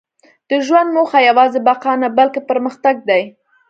• د ژوند موخه یوازې بقا نه، بلکې پرمختګ دی.